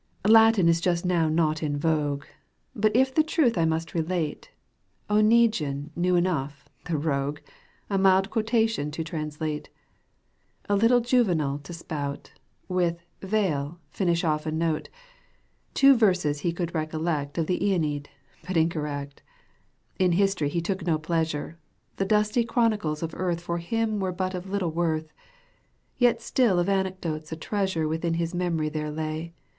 Latin is just now not in vogue, But if the truth I must relate, Oneguine knew enough, the rogue A mild quotation to translate, A little Juvenal to spout. With " vale " finish off a note ; Two verses he could recollect Of the j9Eneid, but incorrect. In history he took no pleasure, The dusty chronicles of earth For him were but of little worth. Yet still of anecdotes a treasure Within his memory there lay.